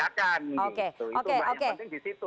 pak trubus tahan dulu sedikit